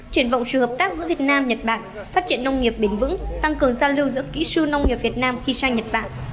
chuyển vọng sự hợp tác giữa việt nam nhật bản phát triển nông nghiệp bền vững tăng cường giao lưu giữa kỹ sư nông nghiệp việt nam khi sang nhật bản